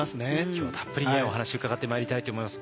今日たっぷりねお話伺ってまいりたいと思います。